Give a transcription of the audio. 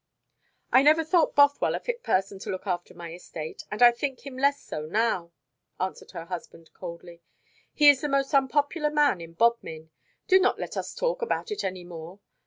"I never thought Bothwell a fit person to look after my estate, and I think him less so now," answered her husband coldly. "He is the most unpopular man in Bodmin. Do not let us talk about it any more.